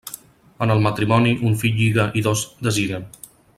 En el matrimoni, un fill lliga i dos deslliguen.